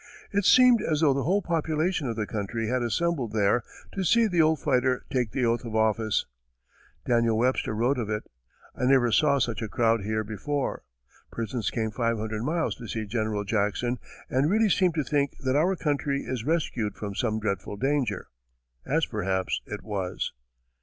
It seemed as though the whole population of the country had assembled there to see the old fighter take the oath of office. Daniel Webster wrote of it, "I never saw such a crowd here before. Persons came five hundred miles to see General Jackson and really seem to think that our country is rescued from some dreadful danger." As, perhaps, it was.